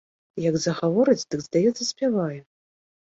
Як загаворыць, дык, здаецца, спявае.